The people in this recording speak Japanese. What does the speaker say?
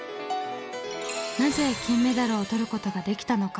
なぜ金メダルを取ることができたのか？